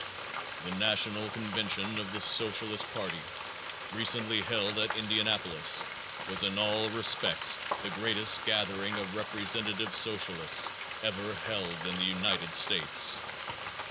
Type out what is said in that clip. _ The national convention of the Socialist party recently held at Indianapolis was in all respects the greatest gathering of representative Socialists ever held in the United States.